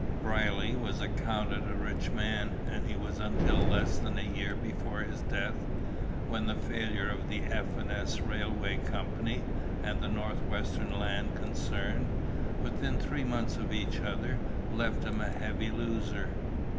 Brierly was accounted a rich man, and he was until less than a year before his death, when the failure of the F. and S. Railway Company, and the North Western Land concern, within three months of each other, left him a heavy loser.